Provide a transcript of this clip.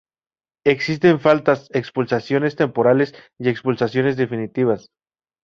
Existen faltas, expulsiones temporales y expulsiones definitivas.